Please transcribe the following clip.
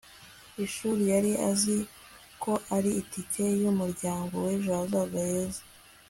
ishuri. yari azi ko ari itike yumuryango wejo hazaza heza